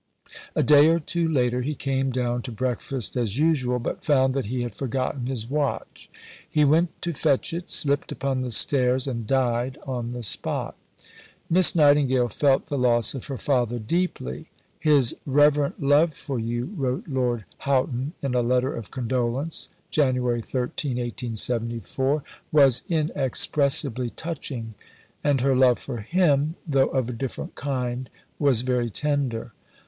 A day or two later, he came down to breakfast as usual, but found that he had forgotten his watch. He went to fetch it, slipped upon the stairs, and died on the spot. Miss Nightingale felt the loss of her father deeply. "His reverent love for you," wrote Lord Houghton in a letter of condolence (Jan. 13, 1874), "was inexpressibly touching," and her love for him, though of a different kind, was very tender.